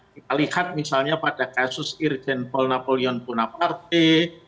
kita lihat misalnya pada kasus irjen paul napoleon puna parti